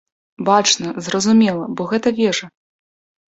Бачна, зразумела, бо гэта вежа!